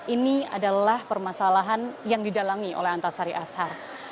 ini adalah permasalahan yang didalami oleh antasari azhar